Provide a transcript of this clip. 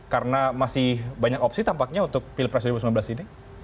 karena masih banyak opsi tampaknya untuk pilpres dua ribu sembilan belas ini